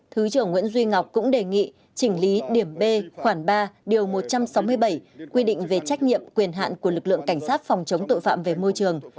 thứ trưởng nguyễn duy ngọc cũng đề nghị chỉnh lý điểm b khoảng ba điều một trăm sáu mươi bảy quy định về trách nhiệm quyền hạn của lực lượng cảnh sát phòng chống tội phạm về môi trường